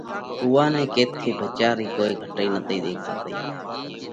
اُوئا نئہ ڪٿي ڀچيا رئي ڪوئي گھٽئِي نتئِي ۮيکاتئِي۔